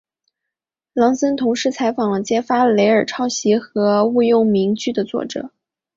朗森同时采访了揭发雷尔抄袭和误用名句的记者。